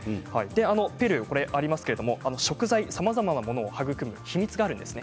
ペルー、食材さまざまなものを育む秘密があるんです。